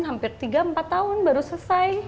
hampir tiga empat tahun baru selesai